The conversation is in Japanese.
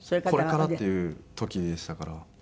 これからっていう時でしたから。